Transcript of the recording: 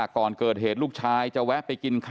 ของเจ้าหน้าที่นะ